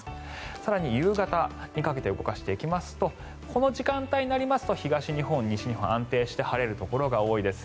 更に夕方にかけて動かしていきますとこの時間帯になりますと東日本、西日本は安定して晴れるところが多いです。